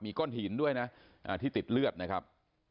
ก้อนหินด้วยนะที่ติดเลือดนะครับ